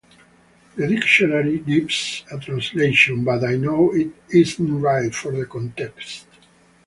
The dictionary gives a translation but I know it isn't right for the context.